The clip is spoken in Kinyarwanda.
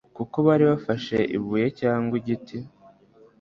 kuko bari bafashe ibuye cyangwa igiti